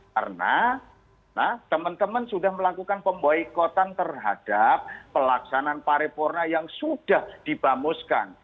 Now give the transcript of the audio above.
karena teman teman sudah melakukan pemboykotan terhadap pelaksanaan paripurna yang sudah dibamuskan